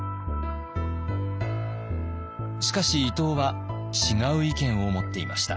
しかし伊藤は違う意見を持っていました。